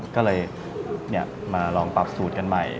ก็เลยมาลองปรับสูตรกันใหม่